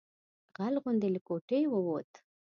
غل غوندې له کوټې ووت.